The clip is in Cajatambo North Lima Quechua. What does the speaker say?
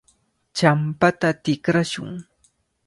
Champata tikrashun.